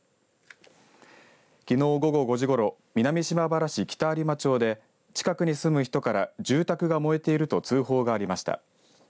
きのう午後５時ごろ南島原市北有馬町で近くに住む人から住宅が燃えていると通報がありました。